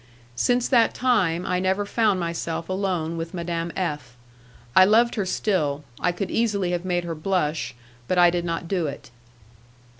Since that time I never found myself alone with Madame F . I loved her still; I could easily have made her blush, but I did not do it.